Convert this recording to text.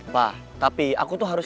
pak tapi aku tuh harus